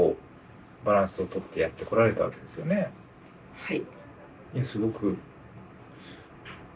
はい。